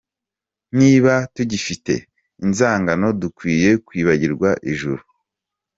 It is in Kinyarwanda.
Niba tugifite inzangano dukwiye kwibagirwa ijuru.